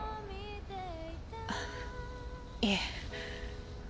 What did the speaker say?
あっいえ。